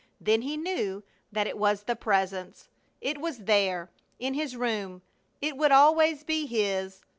Then he knew that it was the Presence. It was there, in his room. It would always be his.